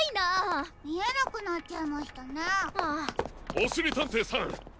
おしりたんていさん